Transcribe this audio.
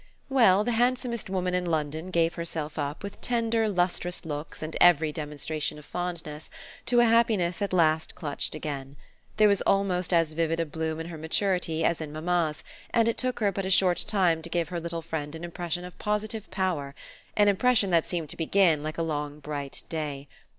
Well, the handsomest woman in London gave herself up, with tender lustrous looks and every demonstration of fondness, to a happiness at last clutched again. There was almost as vivid a bloom in her maturity as in mamma's, and it took her but a short time to give her little friend an impression of positive power an impression that seemed to begin like a long bright day.